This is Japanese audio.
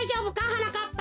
はなかっぱ。